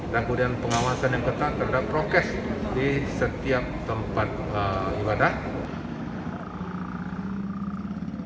dan pengawasan yang ketat terhadap prokes di setiap tempat ibadah